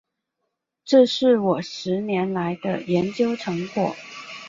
这是我十年来的研究成果